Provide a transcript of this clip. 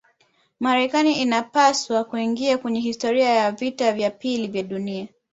marekani inapaswa kuingia kwenye historia ya vita vya pili vya dunia